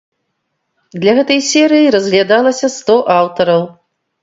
Для гэтай серыі разглядалася сто аўтараў.